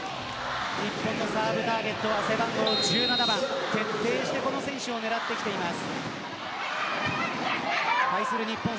日本のサーブターゲットは背番号１７番徹底してこの選手を狙ってきています。